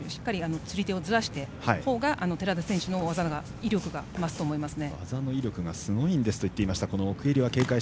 釣り手をずらしたほうが寺田選手技の威力が増すと思いますね。